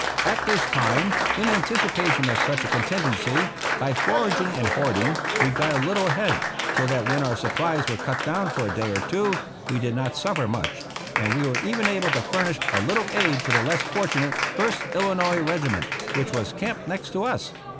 At this time, in anticipation of such a contingency, by foraging and hoarding we got a little ahead, so that when our supplies were cut down for a day or two we did not suffer much, and were even able to fur nish a little aid to the less fortunate First Illinois Regiment, which was camped next to us.